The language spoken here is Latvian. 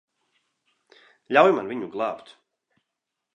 Ļauj man viņu glābt.